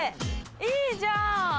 いいじゃん！